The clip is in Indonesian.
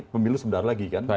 pemilu sebentar lagi kan